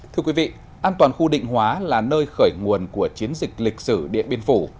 thưa quý vị an toàn khu định hóa là nơi khởi nguồn của chiến dịch lịch sử điện biên phủ